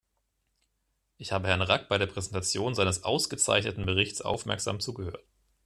Ich habe Herrn Rack bei der Präsentation seines ausgezeichneten Berichts aufmerksam zugehört.